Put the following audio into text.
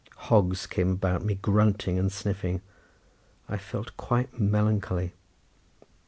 Hogs came about me grunting and sniffing. I felt quite melancholy.